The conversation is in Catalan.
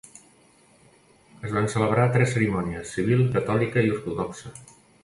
Es van celebrar tres cerimònies: civil, catòlica i ortodoxa.